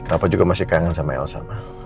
kenapa juga masih kangen sama elsa